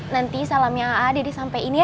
nanti salamnya aah dede sampai ini ya